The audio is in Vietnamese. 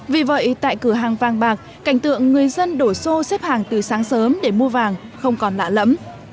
vì vậy tại cửa hàng vàng bạc cảnh tượng người dân đổ xô xếp hàng từ sáng sớm để mua vàng không còn lạ lẫm